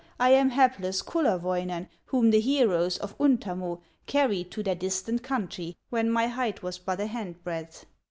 I am hapless Kullerwoinen, Whom the heroes of Untamo Carried to their distant country, When my height was but a hand breadth."